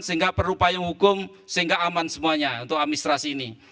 sehingga perupayaan hukum sehingga aman semuanya untuk administrasi ini